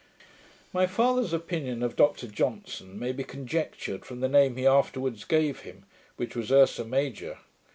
My father's opinion of Dr Johnson may be conjectured from the name he afterwards gave him, which was Ursa Major.